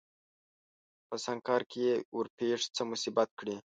په سم کار کې يې ورپېښ څه مصيبت کړي